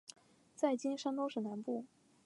在今山东省南部。